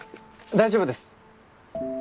大丈夫です。